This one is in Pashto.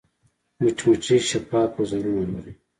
مچمچۍ شفاف وزرونه لري